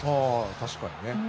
確かにね。